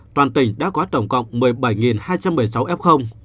toàn tỉnh đã có tổng cộng một mươi bảy hai trăm một mươi sáu f